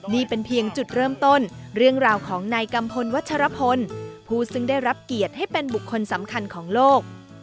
นี่เป็นเพียงจุดเริ่มต้นเรื่องราวของนายกัมพลวัชรพลผู้ซึ่งได้รับเกียรติให้เป็นบุคคลสำคัญของโลก